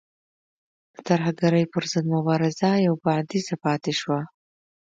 د ترهګرۍ پر ضد مبارزه یو بعدیزه پاتې شوه.